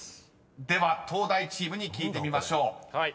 ［では東大チームに聞いてみましょう。